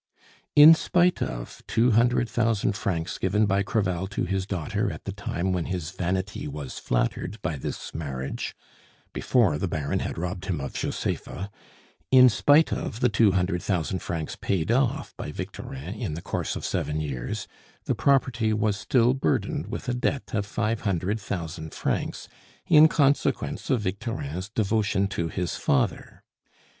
In spite of two hundred thousand francs given by Crevel to his daughter at the time when his vanity was flattered by this marriage, before the Baron had robbed him of Josepha; in spite of the two hundred thousand francs paid off by Victorin in the course of seven years, the property was still burdened with a debt of five hundred thousand francs, in consequence of Victorin's devotion to his father.